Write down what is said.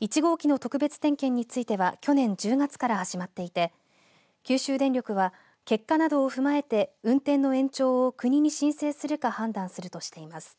１号機の特別点検については去年１０月から始まっていて九州電力は結果などを踏まえて運転の延長を国に申請するか判断するとしています。